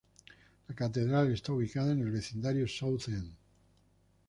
La catedral está ubicada en el vecindario South End.